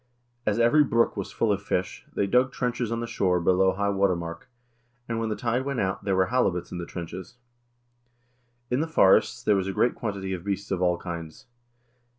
As every brook was full of fish, they dug trenches on the shore below high water mark, and when the tide went out, there were halibuts in the trenches. In the forests there was a great quantity of beasts of all kinds.